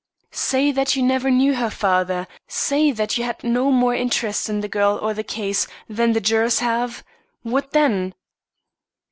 "Say that you never knew her father; say that you had no more interest in the girl or the case, than the jurors have? What then